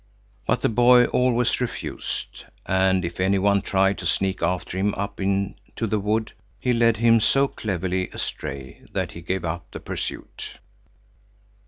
But the boy always refused; and if any one tried to sneak after him up to the wood, he led him so cleverly astray that he gave up the pursuit.